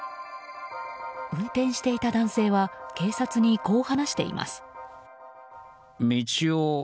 運転していた男性は警察にこう話しています。